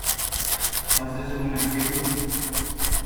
Was this room empty, too?